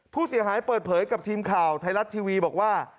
ผู้เสียหายเปิดเผยกับทีมข่าวไทยรัฐทีวีบอกว่า